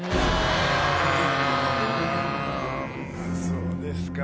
そうですか。